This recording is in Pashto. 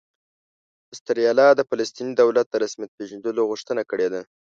استرالیا د فلسطیني دولت د رسمیت پېژندلو غوښتنه کړې ده